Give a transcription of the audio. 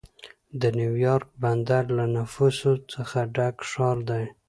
د نیویارک بندر له نفوسو څخه ډک ښار دی.